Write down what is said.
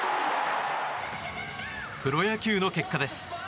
プロ野球の結果です。